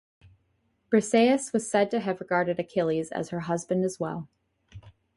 Briseis was said to have regarded Achilles as her husband as well.